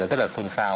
rất là phương phào